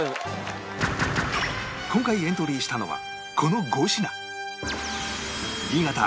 今回エントリーしたのはこの５品